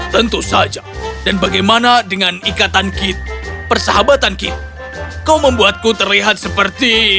tentu saja dan bagaimana dengan ikatan kit persahabatan kit kau membuatku terlihat seperti